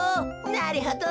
なるほど。